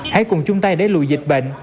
hãy cùng chung tay để lùi dịch bệnh